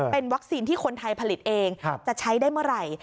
เป็นวัคซีนที่คนไทยผลิตเองจะใช้ได้เมื่อไหร่